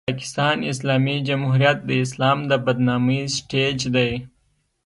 د پاکستان اسلامي جمهوریت د اسلام د بدنامۍ سټېج دی.